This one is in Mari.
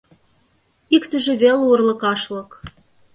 Иктыже веле урлыкашлык.